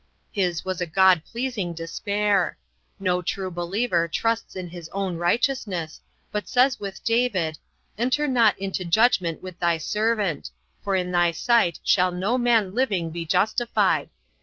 His was a God pleasing despair. No true believer trusts in his own righteousness, but says with David, "Enter not into judgment with thy servant; for in thy sight shall no man living be justified."